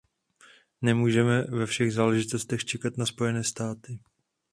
Nemůžeme ve všech záležitostech čekat na Spojené státy.